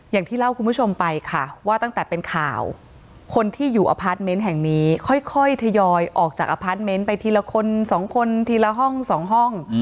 อย่างที่เล่าคุณผู้ชมไปค่ะว่าตั้งแต่เป็นข่าวคนที่อยู่อพาร์ทเมนต์แห่งนี้ค่อยทยอยออกจากอพาร์ทเมนต์ไปทีละคนสองคนทีละห้อง๒ห้อง